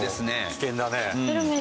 危険だね。